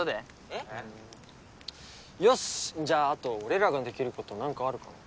よしじゃああと俺らができることなんかあるかな？